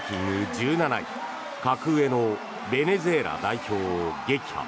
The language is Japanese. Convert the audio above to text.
１７位格上のベネズエラ代表を撃破。